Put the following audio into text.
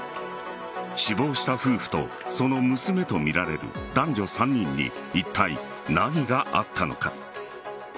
死亡した夫婦とその娘とみられる男女３人にいったい何があったのか。